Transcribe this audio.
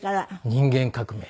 『人間革命』。